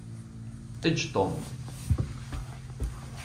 Eǧǧ Tom.